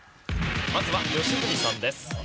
まずは吉住さんです。